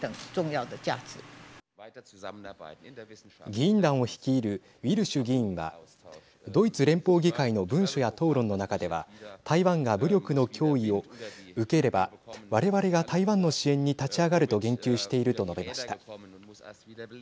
議員団を率いるウィルシュ議員はドイツ連邦議会の文書や討論の中では台湾が武力の脅威を受ければ我々が台湾の支援に立ち上がると言及していると述べました。